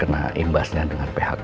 terkena imbasnya dengan phk